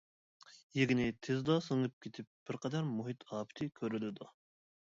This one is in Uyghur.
يېگىنى تېزلا سىڭىپ كېتىپ بىرقەدەر مۇھىت ئاپىتى كۆرۈلىدۇ.